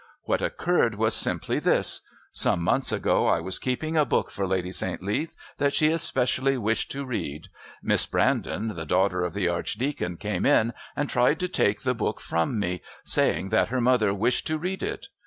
What occurred was simply this: Some months ago I was keeping a book for Lady St. Leath that she especially wished to read. Miss Brandon, the daughter of the Archdeacon, came in and tried to take the book from me, saying that her mother wished to read it.